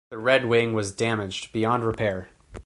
The Red Wing was damaged beyond repair.